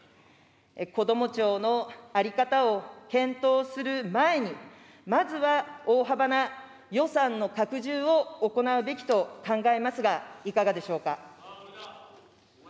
こども庁の在り方を検討する前に、まずは大幅な予算の拡充を行うべきと考えますが、いかがでしょうか。